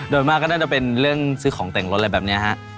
โดยมากก็น่าจะเป็นเรื่องซื้อของแต่งรถอะไรแบบนี้ฮะ